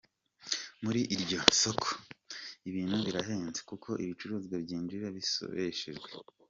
Muri iryo soko ibintu birahenze kuko ibicuruzwa byinjira bisoreshejwe.